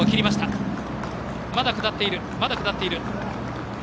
まだ下っている。